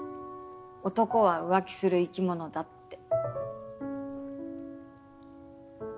男は浮気する生き物だって。